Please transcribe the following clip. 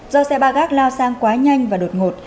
do xe ba gác lao sang quá nhanh và đột ngột